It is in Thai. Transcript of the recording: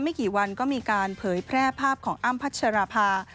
ไม่กี่วันก็มีการเผยแพร่ภาพของอ้ำพัชราภา